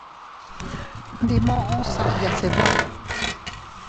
Ndi muʼus aʼaya se duun.